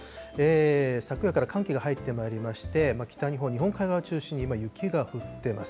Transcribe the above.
昨夜から寒気が入ってまいりまして、北日本、日本海側を中心に今、雪が降っています。